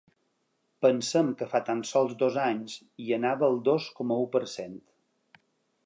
Pensem que fa tan sols dos anys hi anava el dos coma u per cent.